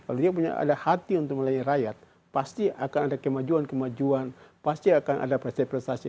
kalau dia punya ada hati untuk melayani rakyat pasti akan ada kemajuan kemajuan pasti akan ada prestasi prestasi